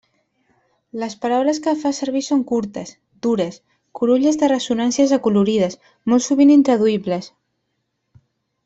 Les paraules que fa servir són curtes, dures, curulles de ressonàncies acolorides, molt sovint intraduïbles.